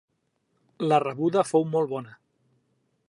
La rebuda fou molt bona.